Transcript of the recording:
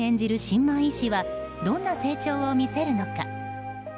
新米医師はどんな成長を見せるのか。